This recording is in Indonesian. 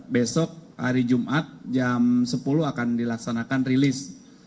besok hari jumat jam sepuluh akan dilaksanakan rilis